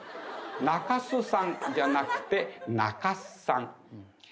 「中州さん」じゃなくて「なかっさん」。